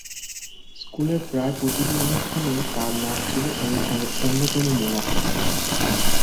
স্কুলের প্রায় প্রতিটি অনুষ্ঠানেই তাঁর নাচ ছিল অনুষ্ঠানের অন্যতম মূল আকর্ষণ।